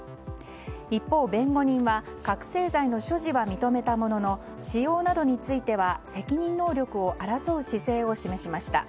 一方、弁護人は覚醒剤の所持は認めたものの使用などについては責任能力を争う姿勢を示しました。